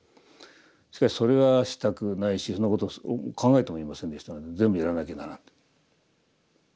しかしそれはしたくないしそんなことを考えてもいませんでしたので全部やらなきゃならんと。